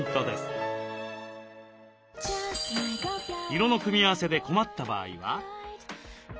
色の組み合わせで困った場合は？